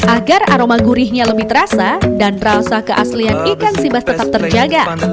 agar aroma gurihnya lebih terasa dan rasa keaslian ikan sibas tetap terjaga